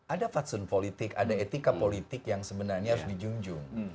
ada fatsun politik ada etika politik yang sebenarnya harus dijunjung